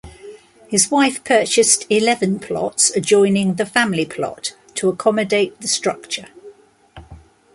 His wife purchased eleven plots adjoining the family plot to accommodate the structure.